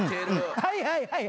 はいはい！